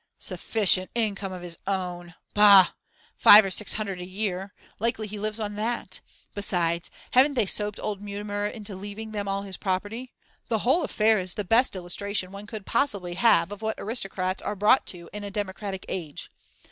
'Sufficient income of his own! Bah! Five or six hundred a year; likely he lives on that! Besides, haven't they soaped old Mutimer into leaving them all his property? The whole affair is the best illustration one could possibly have of what aristocrats are brought to in a democratic age.